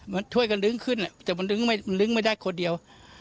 มันช่วยกันดึงขึ้นแต่มันดึงไม่ได้คนเดียว